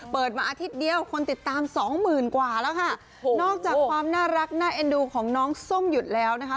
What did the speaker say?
เปิดมาอาทิตย์เดียวคนติดตามสองหมื่นกว่าแล้วค่ะนอกจากความน่ารักน่าเอ็นดูของน้องส้มหยุดแล้วนะคะ